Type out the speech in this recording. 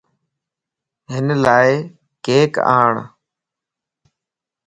ھن لاڪيڪ آڻ